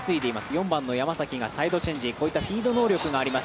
４番の山崎がサイドチェンジフィード能力があります